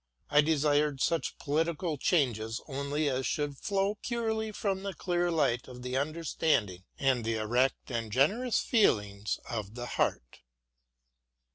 I desired such political changes only as should flow purely from the clear light of the understanding and the erect and generous feelings of the heart.